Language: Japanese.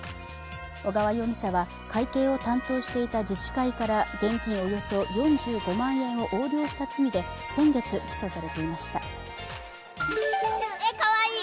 小川容疑者は会計を担当していた自治会から現金およそ４５万円を横領した罪で先月起訴されたいました。